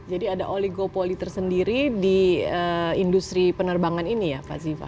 jadi ada oligopoli tersendiri di industri penerbangan ini ya pak ziva